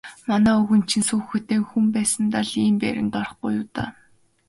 Манай өвгөн чинь сүүхээтэй хүн байсандаа л тийм байранд орохгүй юу даа.